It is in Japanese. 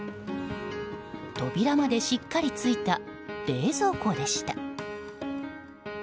扉までしっかりついた冷蔵庫でした。